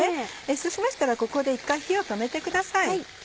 そうしましたらここで一回火を止めてください。